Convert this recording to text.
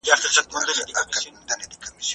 زه به سبا ليکنې وکړم